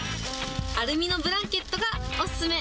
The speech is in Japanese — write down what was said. アルミのブランケットがお勧め。